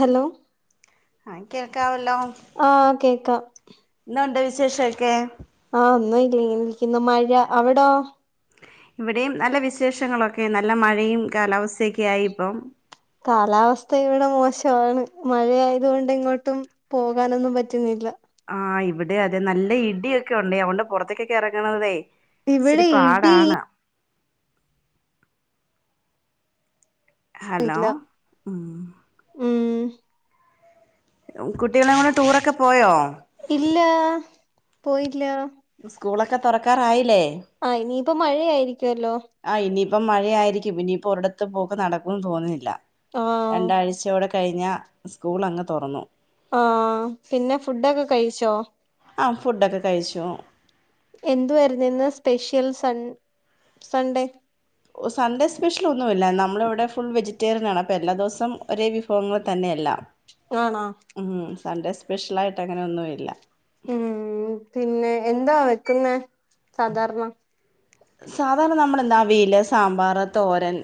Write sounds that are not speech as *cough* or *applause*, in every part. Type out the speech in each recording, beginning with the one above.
Hello ആ കേൾക്കാവല്ലോ ആഹ് കേക്കാം എന്തോണ്ട് വിശേഷക്കെ ആഹ ഒന്നും ഇല്ല ഇങ്ങനെ ഇരിക്ക്ന്ന് മഴ അവിടോ ഇവിടെയും നല്ല വിശേഷങ്ങളൊക്കെ നല്ല മഴയും കാലാവസ്ഥൊക്കെ ആയി ഇപ്പം കാലാവസ്ഥ ഇവിടെ മോശമാണ് മഴയായാതുകൊണ്ട് ഇങ്ങോട്ടും പോകാനൊന്നും പറ്റുന്നില്ല ആഹ് ഇവിടെ അതെ നല്ല ഇടിയൊക്കെ ഉണ്ടേ അതൊണ്ട് പൊറത്തേക്കൊക്കെ എറങ്ങണതേ ഇവിടെ ഇടി ഇച്ചിരിപാടാണ് ഹലോ ഇല്ല ഉം ഉം കുട്ടികളേം കൊണ്ട് ടൂറൊക്കെ പോയോ ഇല്ലാ പോയില്ലാ സ്കൂളൊക്കെ തൊറക്കാറായില്ലേ? ആഹ് ഇനിയിപ്പ മഴയായിരിക്കുവല്ലോ? ആഹ് ഇനിയിപ്പം മഴയായിരിക്കും ഇനിയിപ്പോ ഒരിടത്തും പോക്ക് നടക്കൂന്ന് തോന്നുന്നില്ലാ ആഹ് രണ്ടാഴ്ച്ചയൂടെ കഴിഞ്ഞാ സ്കൂൾ അങ്ങ് തൊറന്നു ആഹ് പിന്നെ ഫുഡൊക്കെ കഴിച്ചോ? ആഹ് ഫുഡൊക്കെ കഴിച്ചു എന്തുവായിരുന്നു ഇന്ന് special sun Sunday? Sunday special ഒന്നു ഇല്ലാ നമ്മളിവിടെ ഫുൾ വെജിറ്റേറിയനാണ് അപ്പൊ എല്ലാ ദിവസവും ഒരേ വിഫവങ്ങൾ തന്നെയെല്ലാം ആണോ? ഉം സൺഡേ സ്പെഷ്യലായിട്ട് അങ്ങനൊന്നുമില്ലാ ഉം പിന്നെ എന്താ വെക്കുന്നെ സാധാരണ സാധാരണ നമ്മളെന്താ അവിയല് സാമ്പാറ് തോരൻ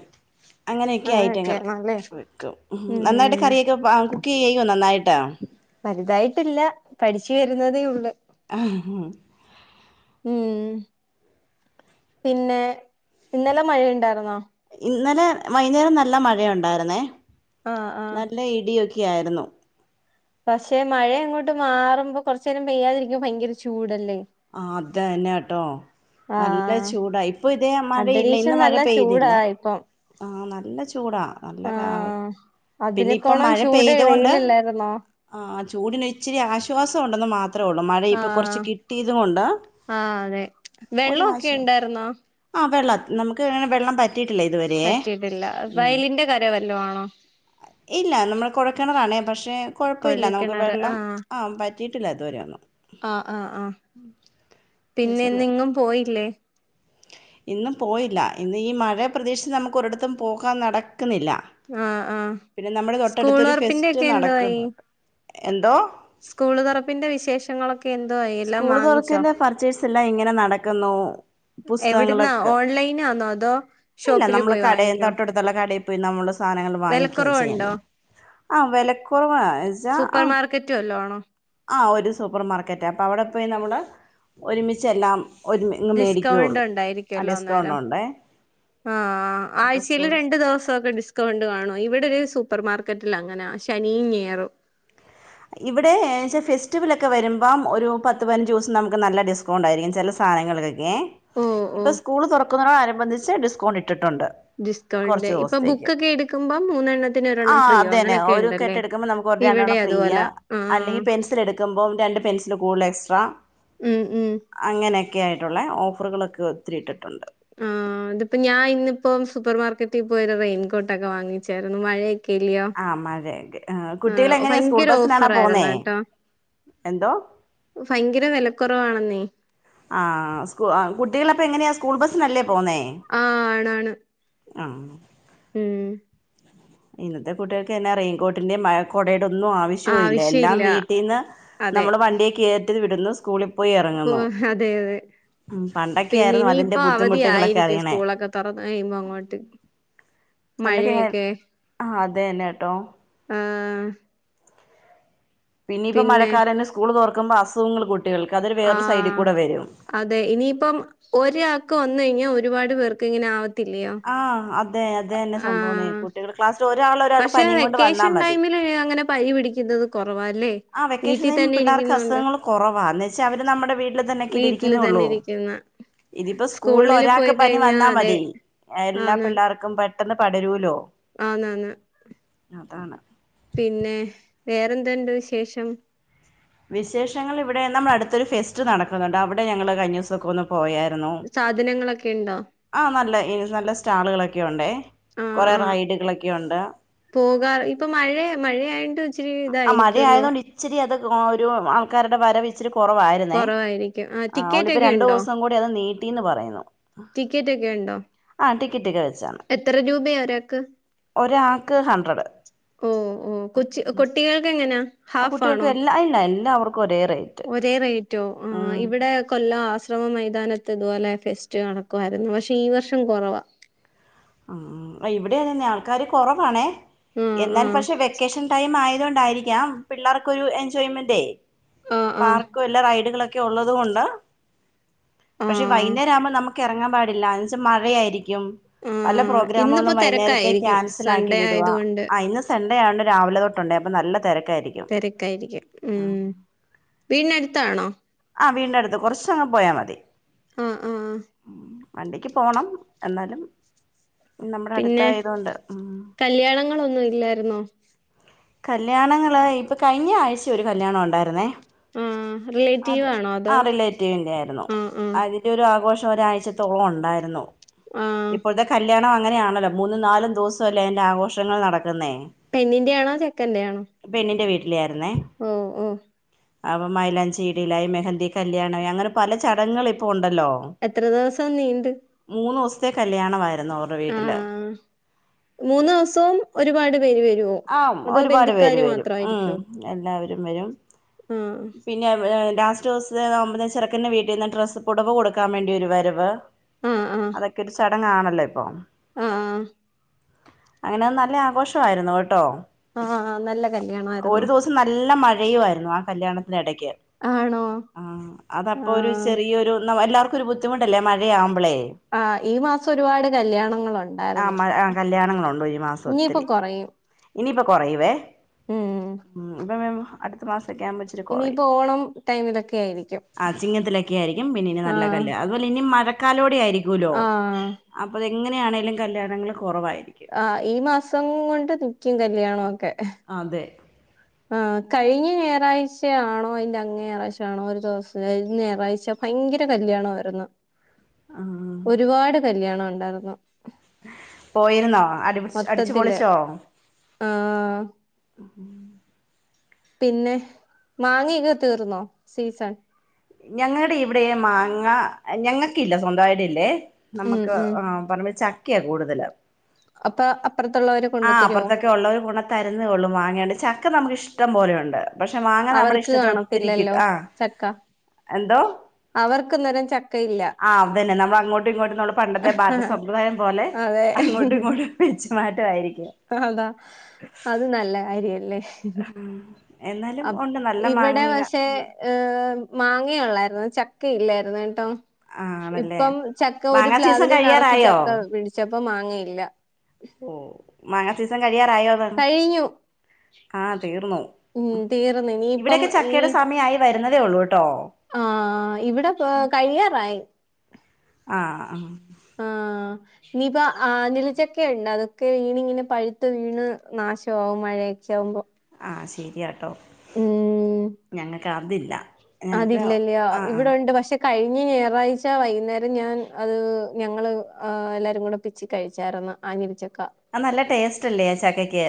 അങ്ങനെയൊക്കെയാ ഐറ്റങ്ങള് അങ്ങനെയൊക്കെയാണല്ലേ വെക്കും ഉം നന്നായിട്ട് കറിയൊക്കെ കുക്ക് ചെയ്യോ നന്നായിട്ട്? വലുതായിട്ടില്ലാ പഠിച്ച് വരുന്നതേ ഉള്ളു ഉം ഉം പിന്നെ ഇന്നലെ മഴയ്ണ്ടായിരുന്നോ? ഇന്നലെ വൈന്നേരം നല്ല മഴ ഒണ്ടായിരുന്നേ ആഹ് ആഹ് നല്ല ഇടിയൊക്കെ ആയിരുന്നു പക്ഷെ മഴയങ്ങോട്ട് മാറുമ്പോ കൊറച്ചേരം പെയ്യാതിരിക്കുമ്പോ ഭയങ്കര ചൂടല്ലേ? ആഹ് അതെ തന്നെട്ടോ നല്ല ആഹ് ചൂടാ ഇപ്പൊ ഇതേ മഴയില്ല അന്തരീക്ഷം ഇന്ന് മഴ നല്ല ചൂടാ പെയ്തില്ലാ ഇപ്പം ആഹ് നല്ല ചൂടാ നല്ല കാ ആഹ് പിന്നെ ഇപ്പൊ അതിനെക്കോണം മഴ ചൂട് പെയ്ത കൊണ്ട് വെയിലല്ലായിരുന്നോ ആഹ് ചൂടിനൊരിച്ചിരി ആശ്വാസം ഒണ്ടെന്ന് മാത് മാത്രേ ഒള്ളൂ മഴ ഇപ്പൊ ആഹ് കൊറച്ച് കിട്ടിയത് കൊണ്ട് ആഹ് അതെ വെള്ളമൊക്കെ ഒരാശ്വാസ *unintelligible* ആഹ് വെള്ളം നമുക്കങ്ങനെ വെള്ളം പറ്റിട്ടില്ലേ ഇതുവരെയെ പറ്റിയിട്ടില്ല ഉം വയലിന്റെ കര വല്ലോ ആണോ ഇല്ലാ നമ്മള് കൊഴക്കെണറാണെ പക്ഷെ കൊഴപ്പ കുഴൽ ഇല്ല നമുക്ക് കിണറ് വെള്ളം ആഹ് വറ്റ് പറ്റിയിട്ടില്ലാ ഇതുവരെയൊന്നും. ആഹ് ആഹ് ആഹ് പിന്നെ അത്യാവശ്യം ഇന്നെങ്ങും പോയില്ലേ? ഇന്ന് പോയില്ലാ ഇന്ന് ഈ മഴയെ പ്രതീക്ഷിച്ച് നമുക്ക് ഒരിടത്തും പോകാൻ നടക്കുന്നില്ലാ ആഹ് ആഹ് പിന്നെ നമ്മടെ സ്കൂൾ തൊട്ടടുത്തൊരു തൊറപ്പിന്റെ ഫെസ്റ്റ് ഒക്കെ എന്തുവായി? നടക്കുന്നൊണ്ട് എന്തോ? സ്കൂള് തൊറപ്പിന്റെ വിശേഷങ്ങളൊക്ക് എന്തോ ആയി സ്കൂള് തൊറക്കലിൻ്റെ പർച്ചേഴ്സ് എല്ലാ ഇങ്ങനെ നടക്കുന്നു എവിടുന്നാ പുസ്തകങ്ങളക്കെ ഓൺലൈനാന്നോ അതോ ഇല്ലാ ഷോപ്പില് നമ്മള് പോയി കടേന്ന് വാങ്ങിക്കോ? തൊട്ടടുത്തുള്ള കടെ പോയ് നമ്മളെ സാനങ്ങള് വാങ്ങിക്കാ വെലക്കൊറവുണ്ടോ? ചെയ്യ്‌ന്നെ ആഹ് വെലക്കൊറവാ സൂപ്പർ മാർക്കറ്റു വല്ലോ ആണോ? ആഹ് ഒരു സൂപ്പർ മാർക്കറ്റാ അപ്പ അവടെ പോയ് നമ്മള് ഒരുമിച്ചെല്ലാം ഒര്മി ഇങ്ങ് മേടിക്കേ ഡിസ്കൗണ്ട് ഒള്ളൂ ആഹ് ഡിസ്കൗണ്ട് ഒണ്ടേ ആഹ് ആഹ് ആഴ്ച്ചേല് രണ്ടു ദിവസൊക്കെ ഡിസ് കൗണ്ട് കാണോ ഇവിടെ ഒരു സൂപ്പർ മാർക്കറ്റിലങ്ങനാ ശനിയും ഞായറും ഇവിടെ ഏച്ചാ ഫെസ്റ്റിവൽ ഒക്കെ വരുമ്പം ഒരു പത്ത് പയ്നഞ്ചൂസം നമ്മക്ക് നല്ല ഡിസ്കൗണ്ട് ആയിരിക്കും ചെല സ് സാനങ്ങൾക്കൊക്കെയെ ഓഹ് ഇപ്പൊ ഓഹ് സ്കൂള് തൊറക്കുന്ന അനുബന്ധിച്ച് ഡിസ്കൗണ്ട് ഇട്ടിട്ടുണ്ട് ഡിസ്കൗണ്ട് ഇപ്പൊ കൊർച്ചൂസ്ത്തേക്ക് ബുക്കൊക്കെ എടുക്കുമ്പം മൂന്നെണ്ണത്തിന് ഒരെണ്ണം ആഹ് ഫ്രീയോ അതെന്നെ അങ്ങനെയൊക്കെ ഒരു ഉണ്ടല്ലേ? കെട്ടെടുക്കുമ്പോ നമുക്ക് ഒര് ഇവിടെ രണ്ടെണ്ണം ഫ്രി അതുപോല. ഇയ്യാ ആഹ്. അല്ലെങ്കി പെൻസിൽ എടുക്കുമ്പം രണ്ട് പെൻസില് കൂടല് എക്സ്ട്രാ ഉം ഉം. അങ്ങനെയെക്കെയായ്ട്ടുള്ളെ ഓഫറുകളൊക്ക ഒത്തിരി ഇട്ടിട്ടുണ്ട് ആഹ് ഇതിപ്പോ ഞാൻ ഇന്നിപ്പോം സൂപ്പർ മാർക്കറ്റിൽ പോയ് ഒരു റെയിൻകോട്ടൊക്കെ വാങ്ങിച്ചായിരുന്നു മഴയ് ആഹ് മഴയെക്കെ ആഹ് കുട്ടികൾ എങ്ങനെയാ സ്കൂൾ ഭയങ്കര ബസ്സിനാണൊ പോന്നേ ഓഫറായിരുന്നു എന്തോ ഒ ഫയങ്കര വെലക്കൊറവാണെന്നേ ആഹ് സ്കൂ ആഹ് കുട്ടികളപ്പെങ്ങനെയാ സ്കൂൾ ബസ്സിനല്ലേ പോന്നേ ആഹ് ആണാണ് ആഹ് ഉം ഇന്നത്തെ കുട്ടിയേൾക്ക് ന്നെ റെയിൻകോട്ടിൻ്റെം മഴ കൊടേടൊന്നു ആവിശ് ഷൂ ഇല്ലെ എല്ലാം ആവശ്യമില്ല. വീട്ടിന്ന് നമ്മള് വണ്ടിയെ കേറ്റിൽ വിടുന്നു സ്കൂളിൽ പോയി പൊ ഇറങ്ങുന്നു അതെ അതെ ഉം പണ്ടൊക്കെ പിന്നെ ആയിരുന്നു അതിന്റെ ഇനീപ്പൊ ബുദ്ധിമുട്ടുകളൊക്കെ അവധിയായിരിക്കും അറിയണേ സ്കൂളൊക്കെ തൊറന്ന കെയ്യുമ്പൊ അങ്ങോട്ട് മഴയൊക്കെ അഹതെന്നെട്ടോ ആഹ് പിന്നിപ്പൊ പിന്നെ മഴക്കാലന്നെ സ്കൂള് തൊറക്കുമ്പോ അസുഖങ്ങള് കുട്ടികൾക്ക് അതൊരു വേറൊരു ആഹ് സൈഡിക്കൂടെ വരും അതെ ഇനിയിപ്പം ഒരാക്ക് വന്നെയ്ഞ്ഞ ഒരുപാട് പേർക്ക് ഇങ്ങനെ ആവത്തില്ലയോ ആഹ് അതെ അതെന്നെ സംഭവം ന്നെ ആഹ് കുട്ടികൾ ക്ലാസ്സില് ഒരാളൊരാൾ പക്ഷെ പനിയും കൊണ്ട് വന്നാ വെക്കേഷൻ മതി ടൈമില് അങ്ങനെ പനി പിടിക്കുന്നത് കൊറവാല്ലേ ആഹ് വെക്കേഷൻ വീട്ടി ടൈം തന്നെ പിള്ളാർക്ക് ഇരിക്കുന്നോണ്ട് അസുഖങ്ങള് കൊറവാ ന്ന് വെച്ചാ അവര് നമ്മുടെ വീട്ടില് തന്നെ ക്കില്ലെ വീട്ടില് ഇരിക്കുന്നെ തന്നെ ഉള്ളൂ ഇരിക്കുന്ന ഇതിപ്പോ സ്കൂളില് പോയി ഒരാക്ക് പനി കഴിഞ്ഞാ വന്നാ അതെ മതി എല്ലാ ആന്ന് പിള്ളേർക്കും പെട്ട് ട്ടെന്ന് പടരൂലോ ആന്നാന്ന് അതാണ് പിന്നെ വേറെന്ത്ണ്ട് വിശേഷം വിശേഷങ്ങള് ഇവിടെ നമ്മ അടുത്തൊരു ഫെസ്റ്റ് നടക്കുന്നുണ്ട് അവിടെ ഞങ്ങള് കയ്ഞ്ഞൂസ കൂൾന്ന് പോയായിരുന്നു സാധനങ്ങളൊക്കെ ഇണ്ടോ ആഹ് നല്ല ഇനി നല്ല സ്റ്റാളുകളൊക്കെ ഉണ്ടേ ആഹ് കൊറേ ആഹ് റൈഡുകളൊക്കെയുണ്ട് പോകാ ഇപ്പൊ മഴെ മഴയായിണ്ട് അ അ മഴയായതോണ്ട് ഇച്ചിരി അത് കോ-ഒരു ആൾക്കാരുടെ വരവ് ഇച്ചിരി കൊറവായി ഇന്നെ കൊറവായിരിക്കും ആഹ് അഓണ്ട് ടിക്കറ്റ് ഇപ്പ ഒക്കെ ഇണ്ടോ രണ്ടൂസം കൂടി അത് നീട്ടീന്ന് പറയുന്നു ടിക്കറ്റ് ഒക്കെ ഇണ്ടോ ആഹ് ടിക്കറ്റൊക്കെ വച്ചാണ് എത്ര രൂപയാ ഒരാക്ക്? ഒരാക്ക് ഹൺഡ്രഡ് ഓഹ് ഓഹ് കൊച്ച് കൊട്ടികൾക്ക് എങ്ങന ഹാഫ് കുട്ടികൾക്ക് ആണോ എല്ലാ ഇല്ല എല്ലാവർക്കും ഒരേ റേറ്റ് ഒരേ റേറ്റോ ആഹ് ഉം. ഇവിടെ കൊല്ല ആശ്രമ മൈതാനത്ത് ഇതുവോലെ ഫെസ്റ്റ് നടക്കുവായിരുന്നു പക്ഷെ ഈ വർഷം കൊറവ ആഹ് അഹ് ഇവിടെയതന്നെ ആൾക്കാർ കുറവാണേ ആഹ് എന്നാലും ആഹ് പക്ഷെ വെക്കേഷൻ ടൈം ആയതൊണ്ടായിരിക്കാം പിള്ളേർക്കൊ ഒരു എൻജോയ്മെന്റേ ആഹ് ആഹ് പാർക്കും എല്ലാ റൈഡുകളൊക്കെ ഉള്ളത് കൊണ്ട് പക്ഷെ ആഹ് വൈന്നേരം ആകുമ്പോ നമുക്ക് ഇറങ്ങാൻ പാടില്ല എന്ന വെച്ചൽ മഴയായിരിക്കും പല ആഹ് ഇന്നിപ്പോ പ്രോഗ്രാമുകളും വൈകുന്നേരത്തെ തെരക്കായിരിക്കും. ക്യാൻസൽ ആക്കി സൺഡേ വിടവാ ആയതുകൊണ്ട് അയ്ന് സൺഡേ ആയണ്ട്‌ രാവിലെ തൊട്ടുണ്ട് അപ്പ നല്ല തിരക്കായിരിക്കും. തിരക്കായിരിക്കും ഉ വീടിനടുത്താണോ ആഹ് വീട്ടിന്റെ അടുത്ത് കുറച്ചങ്ങട് പോയാ മതി ആഹ് ആഹ് വണ്ടിക്ക് പോണം എന്നാലും നമ്മുടെ പിന്നെ അടുത്തായത് കൊണ്ട് ഉ കല്യാണങ്ങളൊന്നും ഇല്ലായിരുന്നോ കല്യാണങ്ങള് ഇപ്പോ കഴിഞ്ഞആഴ്ച ഒരു കല്യാണം ഉണ്ടായിരുന്നേ ആഹ് അതെ റിലേറ്റീവാണോ ആ അതോ റിലേറ്റീവിന്റെ ആയിരുന്നു ആഹ് ആഹ് അ യ്ന്റൊരു ആഘോഷം ഒരാഴ്ചത്തോളം ഉണ്ടായിരുന്നു ആഹ് ഇപ്പോഴത്തെ കല്ല്യാ ണം അങ്ങനെയാണല്ലോ മൂന്നും നാലും ദിവസം അല്ലേ അയ്ന്റെ ആഘോഷങ്ങൾ നടക്കുന്നേ പെണ്ണിന്റെയാണോ? ചെക്കന്റെയാണോ? പെണ്ണിന്റെ വീട്ടിലേ ആയിരുന്നേ ഉം ഉം അപ്പം മൈലാഞ്ചിടിലായി മെഹന്തി കല്യാണമായി അങ്ങനെ പല ചടങ്ങൾ ഇപ്പോ ഉണ്ടല്ലോ എത്ര ദിവസം നീണ്ട് മൂന്നൂസ്ത്തെ കല്യാണമായിരുന്നു അവർ ആഹ് മൂന്ന്സവും ഒരുപാട് പേര് വരും ആഹ് ഒരുപാട് പേര് വരും ഉം എല്ലാവരും വരും ഉം അഹ് പിന്നെ ലാസ്റ്റ് ദിവസത്തെ ആകുമ്പ ചെറുക്കന്റെ വീട്ടിന്ന് ഡ്രസ്സ് പുടവ് കൊടുക്കാൻ വേണ്ടി ഒരു വരവ് ആഹ് ആഹ് അതൊക്കെ ഒരു ചടങ്ങാണല്ലോ ഇപ്പൊ ആഹ് അങ്ങനെ നല്ല ആഘോഷമായിരുന്നു കേട്ടോ ആഹ് നല്ല ഒരു കല്യാണമായിരുന്നു ദിവസം നല്ല മഴയുമായിരുന്നു ആ കല്യാണത്തിനിടയ്ക്ക് ക്ക് ആണോ ആഹ് അതപ്പോ ഒരു ആഹ് ചെറിയരു എല്ലാർക്കും ഒരു ബുദ്ധി മുട്ടല്ലേ മഴയാകുമ്പോളേ ആഹ് ഈ മാസം ഒരുപാട് ആ കല്യാണങ്ങളുണ്ടായിരുന്നു മ ആ ഇനിയിപ്പൊ കുറയും ഇനിയിപ്പൊ കൊറയുവേ ഇപ്പൊ അടുത്ത മാസൊക്കെ ആവുമ്പോ ഇച്ചിരി കുറയും ഇനിയിപ്പോ ഓണം ടൈമിലൊക്കെ ആയിരിക്കും ആ ചിങ്ങത്തിലൊക്കെ ആയിരിക്കും പിന്നെനി നല്ല ആഹ് കല് അതുപോലെ ഇനി മഴക്കാലോടെ ആയിരിക്കൂല്ലോ ആഹ് അപ്പൊതെങ്ങനെയാണേങ്കലും കല്യാണങ്ങൾ കുറവായിരിക്കും. ആഹ് ഈ മാസം കൊണ്ട് നിക്കും കല്യാണൊക്കെ അതെ ആഹ് കഴിഞ്ഞ ഞായാറാഴ്ചയാണോ അതിന്റെ അങ്ങ ഞായാഴ്ചയാണോ ഒരു ദിവസം ഞായറാഴ്ച ഭയങ്കര കല്യാണവായിരുന്നു ഉം ഒരുപാട് കല്യാണം ഉണ്ടായിരുന്നു പോയിരുന്നോ അ അടിച്ചു മൊത്തത്തില് പൊളിച്ചോ ആഹ് ഉം പിന്നെ മാങ്ങൊക്കെ തീർന്നോ സീസൺ ഞങ്ങളുടെ ഇവിടെ മാങ്ങ ഞങ്ങക്കില്ല സ്വന്തമായിട്ടില്ലേ ഉം നമുക്ക് ഉം ആ പറമ്പി ചക്കയാ കൂടുതല് അപ്പൊ അപ്പുറത്തുള്ളവർ ആഹ് അപ്പറത്തൊക്കെ ഉള്ളൊരു കൊണ്ട്തരുന്നള്ളും മാങ്ങിയണ്ട് ചക്ക നമുക്ക് ഇഷ്ടം പോലെയുണ്ട് പക്ഷെ മാങ്ങ നമ്മുടെ അവർക്ക് ഇഷ്ടത്തെ ഒത്തിരിക്കിട്ട് കാണത്തില്ലല്ലോ ആ ചക്ക എന്തോ അവർക്കിന്നേരം ചക്കയില്ല ആഹ് അതന്നെ നമ്മൾ അങ്ങോട്ടും ഇങ്ങോട്ടും നമ്മള് പണ്ടത്തെ ബാർട്ടർസമ്പ്രദായം പോലെ അതെ അങ്ങോട്ടും ഇങ്ങോട്ടും വെച്ചു മാറ്റാ അതാ അത് നല്ല കാര്യല്ലേ. ഉം എന്നാലും അപ് ഉണ്ട് നല്ല ഇവിടെ മാങ്ങങ്ങ പക്ഷെ ഉം ഏഹ് മാങ്ങഉള്ളായിരുന്നു ചക്കയില്ലായിരുന്നുട്ടോ. ആണല്ലേ ഇപ്പം ചക്ക ഒരു മാങ്ങാ സീസൺ പ്ലാവില് നിറച്ച് കഴിയാറായോ ചക്ക പിടിച്ചപ്പ മാങ്ങയില്ല. ഓഹ് മാങ്ങ സീസം കഴിയാറായോന്ന് കഴിഞ്ഞു ആഹ് തീർന്നോ ഉം തീർന്ന് ഇനിയിപ്പം ഇവിടെൊക്കെ ചക്കയുടെ സമയം ആയി. വരുന്നതേ ഉള്ളൂ കേട്ടോ. ആഹ് ഇവിടെ കഴിയാറായി. ആഹ് ആഹ് ആഹ് ഇനീപ്പോ ആനിലിച്ചൊക്കെ ഉണ്ട് അതൊക്കെ വീണിങ്ങനെ പഴുത്ത് വീണ് നാശമാവും മഴയൊക്കെ. ച്ചാമ്പോ. ആഹ് ശരിയാട്ടോ ഞങ്ങൾക്ക് അതില്ല അത് ഞങ്ങക്ക് ല്ല്യല്ലോ ആ ആ ഇവിടെ ഉണ്ട് പക്ഷെ. കഴിഞ്ഞ ഞായറാഴ്ച വൈകുന്നേരം ഞാൻ അത് ഞങ്ങള് എല്ലാരും കൂടെ പിച്ച് കഴിച്ചായിർന്ന. ആഞ്ഞിലച്ചക്ക. ആഹ് നല്ല ടേസ്റ്റ്ല്ലേ ആഹ് ചക്കക്ക്.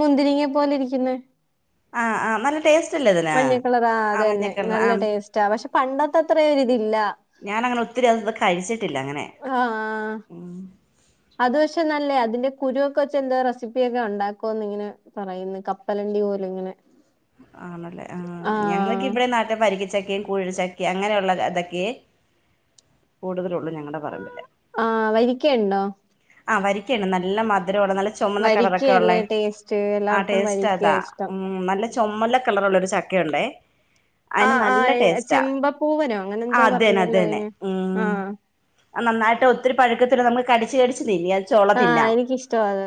മുന്തിരിങ്ങെ പോലെ ഇരിക്കുന്ന. ആഹ് നല്ല ടേസ്റ്റ്ല്ല അതിന്. മഞ്ഞ കളറ ആഹ് ആ അത് തന്നെ മഞ്ഞക്കളർ ആ നല്ല ടേസ്റ്റാ പക്ഷെ പണ്ടത്തെ അത്ര ഒരിതില്ല. ഞാൻ അങ്ങനെ ഒത്തിരി അതൊന്നും കഴിച്ചിട്ടില്ല അങ്ങനെ. ആഹ് അത് പക്ഷെ നല്ലയ അതിന്റെ കുരുവൊക്കെച്ച് എന്തോ റെസിപ്പിയൊക്കെ ഉണ്ടാക്കോന്ന് ഇങ്ങനെ. പറയുന്നു കപ്പലണ്ടി പോലും ഇങ്ങനെ. ആണല്ലേ ആഹ് ഞങ്ങൾക്ക് ഇവിടെ നാട്ടം പരിക്കച്ചക്കയും കൂഴ ചക്കയും. അങ്ങനെയുള്ള ഇതൊക്കെയ കൂടുതലള്ളൂ ഞങ്ങടെ പറമ്പിലേ. ആഹ് വരിക്കയ്ണ്ടോ? ആഹ് വരികഉണ്ട് നല്ല മധുരമ നല്ല. ചെമന്ന കളറൊക്കെ ഉള്ള വരിക്കയല്ലേ ടേസ്റ്റ് ആഹ് എല്ലാർക്കും ടേസ്റ്റ് വരിക്കയാ അതാ. ഇഷ്ടം ഉം നല്ല ചുമല്ല കളർള്ളരു ചക്കയുണ്ടേ. അതിന് ആഹ് നല്ല ടേസ്റ്റ ആഹ് ചെമ്പപ്പൂവനോ അങ്ങനെ എന്തോ അതന്നെ പറയുവല്ലോ അതന്നെ അയിന് ഉം ആഹ് ആഹ് നന്നായിട്ട ഒത്തിരി പഴക്കത്തില്ല നമുക്ക് കടിച്ച് കടിച്ച് തിന്ന ആഹ് എനിക്കിഷ്ടം അത്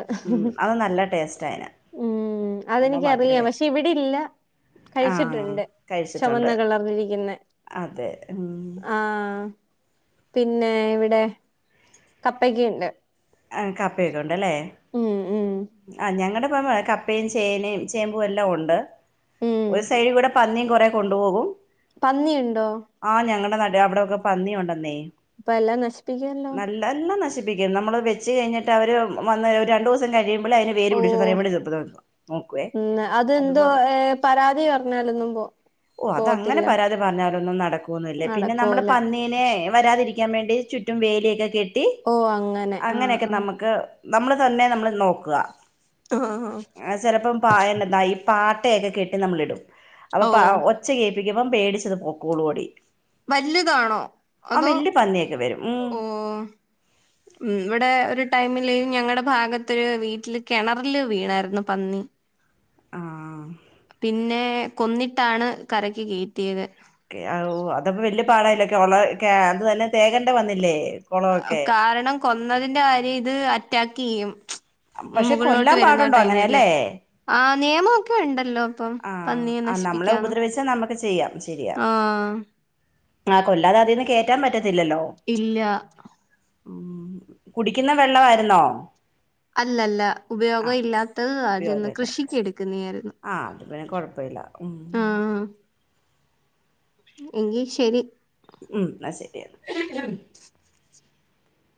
അത് നല്ല ടേസ്റ്റ് അയിന് ഉം നല്ല അതെനിക്കറിയ മധുരവേ പക്ഷ ഇവിടില്ല ആഹ് കഴിച്ചിട്ടുണ്ട് ചുവന്ന കഴിച്ചിട്ടുണ്ട് കളർന്നിരിക്കുന്നെ. അതെ ഉം പിന്നെ ഇവിടെ കപ്പക്കണ്ട്. ആഹ് കപ്പയൊക്കെ ഉണ്ടല്ലേ ഉം ഉം ആഹ് ഞങ്ങളുടെപ്പ പ്പയും ചേനയും ചേമ്പും എല്ലാം ഉണ്ട് ഉം ഒരു സൈഡിൽ കൂടെ പന്നിയും കൊറ കൊണ്ടുപോകും. പന്നിയുണ്ടോ? ആഹ് ഞങ്ങടെ നട അവിടെൊക്കെ പന്നിയുണ്ടെന്നേ. അപ്പ എല്ലാം നശിപ്പിക്കാല്ലോ. നല്ല എല്ലാം നശിപ്പിക്കും നമ്മള് വെച്ച് കഴിഞ്ഞിട്ട് അവര് വന്ന് ഒര് രണ്ട ദസ. സം കഴിയുമ്പോ അതിനെ വേര് ഓ പിടിച്ചു പറയുമ്പോഴർ വ നോക്കേ ഉം അതെന്തോ അതുപോലെ. ഏഹ് പരാതി പറഞ്ഞാലൊന്നും പോ ഓഹ് അതങ്ങനെ പോവത്തില്ല പരാതി പറഞ്ഞാലൊന്നും നടക്കല്ലേ പിന്നെ നമ്മള് നടക്കൂല പന്നി ഇങ്ങനെ വരാതിരിക്കാൻ വേണ്ടി ചുറ്റും വേലിയോക്കെ കെട്ടി. ഓഹ് അങ്ങനെ. ആഹ് അങ്ങനെയൊക്കെ ആഹ് നമുക്ക് നമ്മൾ തന്നെ നമ്മൾ നോക്കുക. *unintelligible* ചെലപ്പോം പായല് *unintelligible* ഈ പാട്ടയൊക്കെ കെട്ടി നമ്മളിടും അപ്പൊ ഓ പാ *unintelligible* ചെയ്യിപ്പിക്കുമ്പം പേടിച്ചത് പൊക്കൂളുവെടി വല്ല്യതാണോ അതോ പന്നിയൊക്കെ വരും ഉം ഓഹ് ഉം ഇവിടെ ഒരു ടൈമില് ഞങ്ങടെ ഭാഗത്ത് വീട്ട്ല് കെണറില് വീണായിരുന്നു പന്നി ആഹ് പിന്നേ കൊന്നിട്ടാണ് കരക്ക് കേറ്റിയത് കെ അൗ അതപ്പം വല്ല്യ പാടായില്ലേക്കെള കെ അതുവല്ല തേകണ്ട വന്നില്ലേ കൊളവൊക്കെ കാരണം കൊന്നതിന്റെ കാര്യം ഇത് അറ്റാക്കെയ്യും പക്ഷെ മുകളിലോട്ട് കൊല്ലാൻ വരുന്ന പാടുണ്ടോ ടൈമില് അങ്ങനെയല്ലേ ആ നിയമൊ ഒക്കെ ഉണ്ടല്ലോ ഇപ്പം ആഹ് പന്നിയെ ആ നമ്മളെ നശിപ്പിക്കാന്ന് ഉപദ്രവിച്ചാ നമ്മക്ക് ചെയ്യാം ശെരിയാ ആഹ് ആഹ് കൊല്ലാതെ അതിന്ന് കേറ്റാൻ പറ്റത്തില്ലല്ലോ ഇല്ല ഉം കുടിക്കുന്ന വെള്ളവായിരുന്നോ അല്ല അല്ല ഉപയോഗം ഇല്ലാത്തത് അത്ന്ന് കൃഷിക്ക് എടുക്ക്ന്നയാര്ന്ന് ആഹ് അത് പിന്നെ കൊഴപ്പ ഇല്ല ഉം ആഹ് എങ്കി ശെരി ഉം എന്ന ശെരിയെന്ന